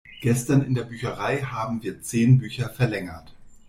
Gestern in der Bücherei haben wir zehn Bücher verlängert.